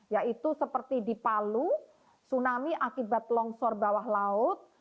yaitu seperti di palu tsunami akibat longsor bawah laut